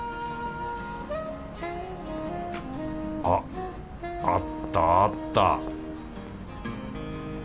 あっあったあった